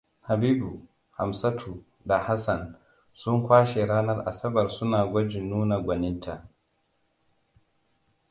Habibu, Hamsatu da Hassan sun kwashe ranar Asabar suna gwajin nuna gwaninta.